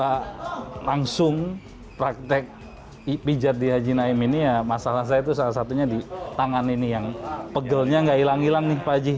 kalau langsung praktek pijat di haji naim ini ya masalah saya itu salah satunya di tangan ini yang pegelnya nggak hilang hilang nih pak haji